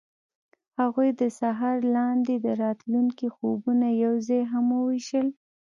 هغوی د سهار لاندې د راتلونکي خوبونه یوځای هم وویشل.